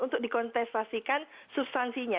untuk dikontestasikan substansinya